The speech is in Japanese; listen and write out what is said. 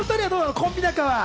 コンビ仲は。